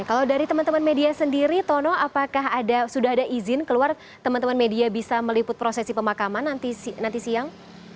kalau dari teman teman media sendiri tono apakah sudah ada izin keluar teman teman media bisa meliput prosesi pemakaman nanti siang